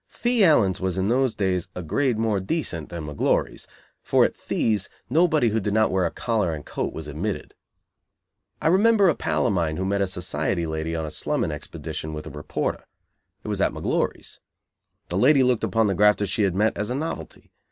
"The" Allen's was in those days a grade more decent than McGlory's; for at "The's" nobody who did not wear a collar and coat was admitted. I remember a pal of mine who met a society lady on a slumming expedition with a reporter. It was at McGlory's. The lady looked upon the grafter she had met as a novelty.